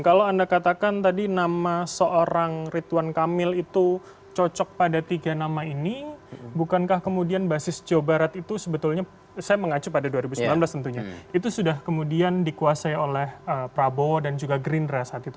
kalau anda katakan tadi nama seorang ridwan kamil itu cocok pada tiga nama ini bukankah kemudian basis jawa barat itu sebetulnya saya mengacu pada dua ribu sembilan belas tentunya itu sudah kemudian dikuasai oleh prabowo dan juga gerindra saat itu